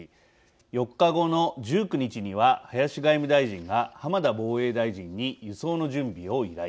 ４日後の１９日には林外務大臣が浜田防衛大臣に輸送の準備を依頼。